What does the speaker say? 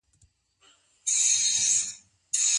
آيا زوجين د خسرګنۍ کور ته ورتلای سي؟